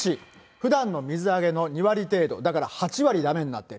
ふだんの水揚げの２割程度、だから８割だめになっている。